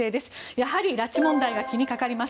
やはり拉致問題が気にかかります。